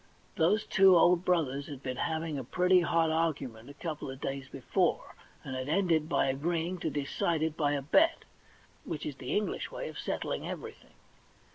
Those two old brothers had been having a pretty hot argument a couple of days before, and had ended by agreeing to decide it by a bet, which is the EngUsh way of settling every thing.